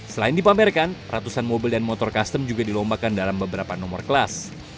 selain dipamerkan ratusan mobil dan motor custom juga dilombakan dalam beberapa nomor kelas